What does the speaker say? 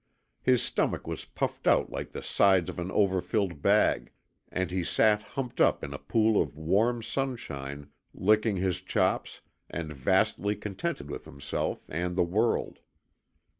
His stomach was puffed out like the sides of an overfilled bag, and he sat humped up in a pool of warm sunshine licking his chops and vastly contented with himself and the world.